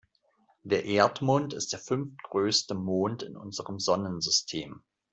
Der Erdmond ist der fünftgrößte Mond in unserem Sonnensystem.